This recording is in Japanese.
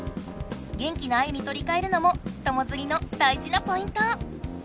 元気なアユに取りかえるのも友づりの大じなポイント。